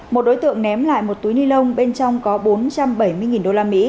một đối tượng ném lại một túi ni lông bên trong có bốn trăm bảy mươi đô la mỹ